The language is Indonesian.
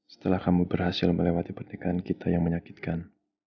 setelah kamu berhasil melewati pernikahan kita yang menyakitkan